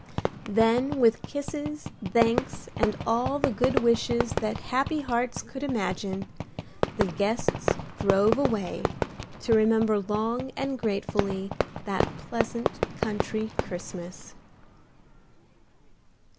Then with kisses, thanks and all the good wishes that happy hearts could imagine, the guests drove away, to remember long and gratefully that pleasant country Christmas.